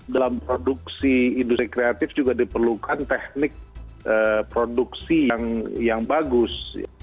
dalam produksi industri kreatif juga diperlukan teknik produksi yang bagus